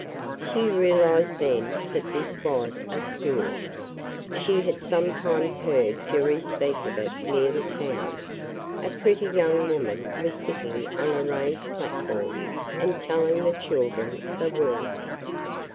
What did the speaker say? She realized then that this was a school. She had sometimes heard Jerry speak of it near the town. A pretty young woman was sitting on a raised platform and telling the children the words.